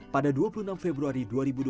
pada dua puluh enam februari dua ribu dua puluh